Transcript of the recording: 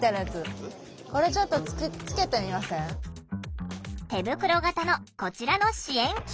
手袋型のこちらの支援機器。